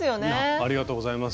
ありがとうございます。